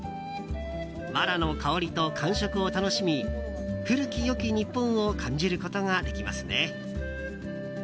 わらの香りと感触を楽しみ古き良き日本を感じることができますね。